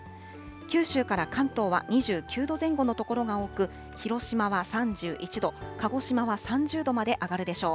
九州から関東は２９度前後の所が多く、広島は３１度、鹿児島は３０度まで上がるでしょう。